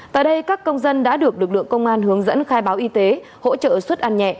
tại đây các công dân đã được lực lượng công an hướng dẫn khai báo y tế hỗ trợ xuất ăn nhẹ